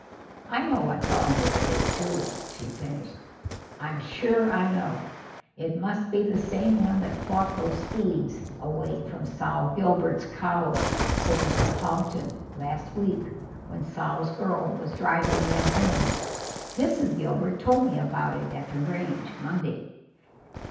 "I know what dog this is, too," she finished. "I'm sure I know. It must be the same one that fought those thieves away from Sol Gilbert's cows over to Pompton, last week, when Sol's girl was driving them home. Mrs. Gilbert told me about it at the Grange, Monday.